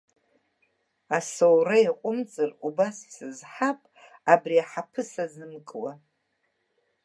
Асоура иаҟәымҵыр, убас исызҳап, абри аҳаԥы сазымкуа.